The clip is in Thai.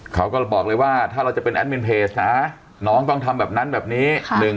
เขาก็บอกเลยว่าถ้าเราจะเป็นแอดมินเพจนะน้องต้องทำแบบนั้นแบบนี้